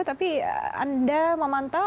tapi anda memantau